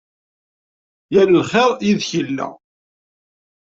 Yal lxir yid-k yella.